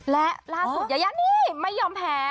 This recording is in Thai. และล่าสุดยายานี่ไม่ยอมแพ้